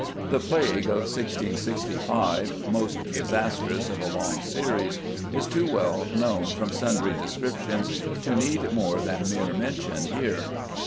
The plague of 1665, most disastrous of a long series, is too well known, from sundry descriptions, to need more than mere mention here.